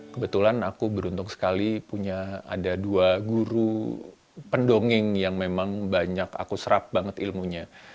kebetulan aku beruntung sekali punya ada dua guru pendongeng yang memang banyak aku serap banget ilmunya